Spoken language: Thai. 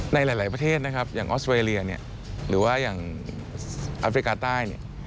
ในหลายประเทศนะครับอย่างออสเวรียหรือว่าอย่างอัฟริกาใต้